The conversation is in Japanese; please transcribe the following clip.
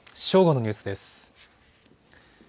正午のニュースです。